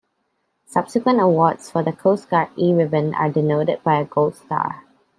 Subsequent awards for the Coast Guard E ribbon are denoted by a gold star.